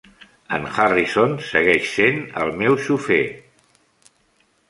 En Harrison segueix sent el meu xofer.